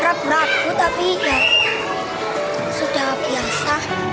kerap kerap tapi ya sudah biasa